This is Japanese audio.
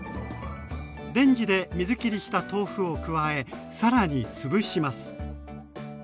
レンジで水きりした豆腐を加えさらに潰します。